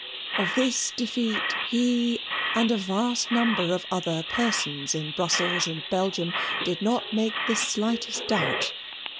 Of this defeat he and a vast number of other persons in Brussels and Belgium did not make the slightest doubt.